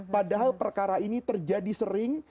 padahal perkara ini terjadi sering